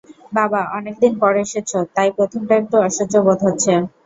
বাবা, অনেক দিন পরে এসেছ, তাই প্রথমটা একটু অসহ্য বোধ হচ্ছে।